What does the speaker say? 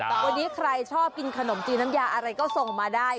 วันนี้ใครชอบกินขนมจีนน้ำยาอะไรก็ส่งมาได้